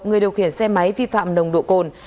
người điều khiển xe máy vi phạm nồng độ cồn